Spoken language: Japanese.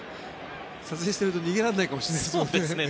撮影していると逃げられないかもしれないですね。